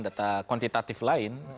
data kuantitatif lain